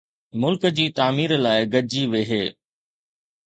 ملڪ جي تعمير لاءِ گڏجي ويھي